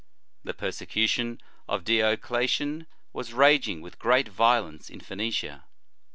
The persecution of Diocletian was raging with great violence in Phoenicia.